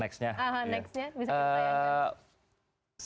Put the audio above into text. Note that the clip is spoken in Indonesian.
next nya bisa pertanyaan